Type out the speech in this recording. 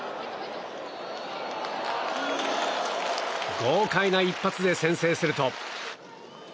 豪快な一発で先制すると。